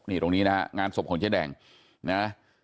นี่ตรงนี้นะฮะงานศพของเจ๊แดงนะ